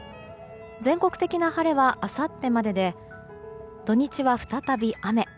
全国的な晴れは、あさってまでで土日は再び雨。